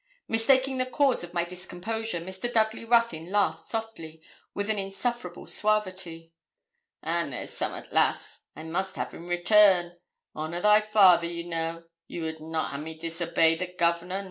Mistaking the cause of my discomposure, Mr. Dudley Ruthyn laughed softly, with an insufferable suavity. 'And there's some'at, lass, I must have in return. Honour thy father, you know; you would not ha' me disobey the Governor?